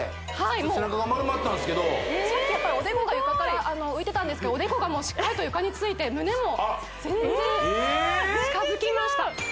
背中が丸まってたんですけどおでこが床から浮いてたんですけどおでこがもうしっかり床について胸も全然近づきましたうわ